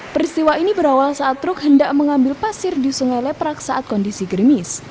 peristiwa ini berawal saat truk hendak mengambil pasir di sungai leprak saat kondisi gerimis